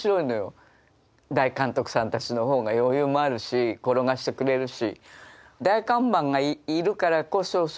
大監督さんたちのほうが余裕もあるし転がしてくれるし。